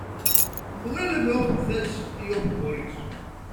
Βγάλε με όπου θες ή όπου μπορείς